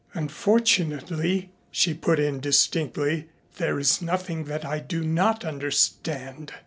"Unfortunately," she put in distinctly, "there is nothing that I do not understand.